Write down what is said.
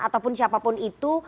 ataupun siapapun itu